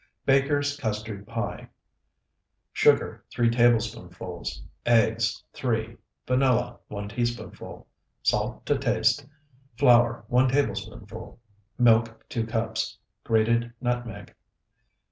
BAKER'S CUSTARD PIE Sugar, 3 tablespoonfuls. Eggs, 3. Vanilla, 1 teaspoonful. Salt to taste. Flour, 1 tablespoonful. Milk, 2 cups. Grated nutmeg.